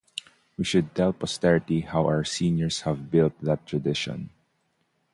We should tell posterity how our seniors have built that tradition.